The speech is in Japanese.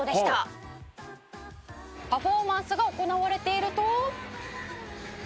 「パフォーマンスが行われていると」